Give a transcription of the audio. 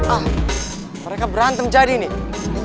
ah mereka berantem jadi nih